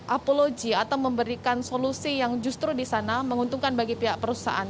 apologi atau memberikan solusi yang justru di sana menguntungkan bagi pihak perusahaan